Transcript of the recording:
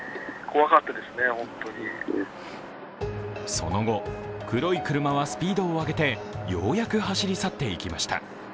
その後、黒い車はスピードを上げてようやく走り去っていきました。